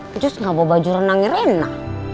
ancus gak bawa baju renangnya rena